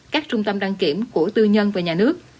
các trung tâm đăng kiểm của tư nhân và nhà nước